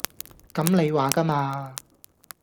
咁你話架嘛